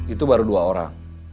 itu baru dua orang